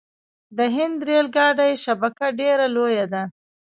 د هند ریل ګاډي شبکه ډیره لویه ده.